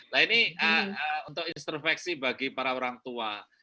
nah ini untuk instruksi bagi para orang tua